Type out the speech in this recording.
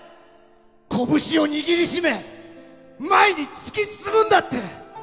こぶしを握り締め前に突き進むんだって！